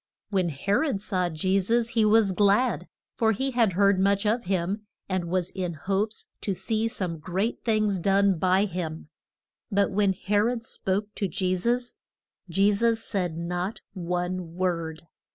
When He rod saw Je sus he was glad, for he had heard much of him, and was in hopes to see some great things done by him. But when He rod spoke to Je sus, Je sus said not one word.